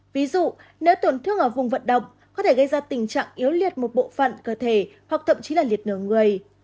ví dụ nếu tổn thương ở vùng vận động có thể gây ra tình trạng yếu liệt một bộ phận cơ thể hoặc thậm chí là liệt nửa người